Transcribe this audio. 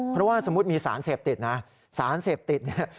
เพราะว่าสมมุติมีสารเสพติดนะสารเสพติดเนี่ย